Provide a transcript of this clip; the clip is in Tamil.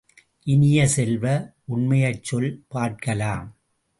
இனிய செல்வ, உண்மையைச் சொல் பார்க்கலாம்!